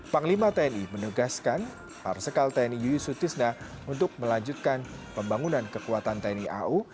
panglima tni menegaskan parsekal tni yuyusutisna untuk melanjutkan pembangunan kekuatan tni au